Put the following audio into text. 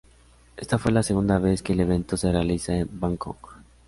Esta fue la segunda vez que el evento se realiza en Bangkok.